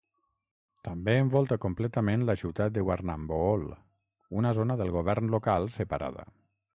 També envolta completament la ciutat de Warrnambool, una zona del govern local separada.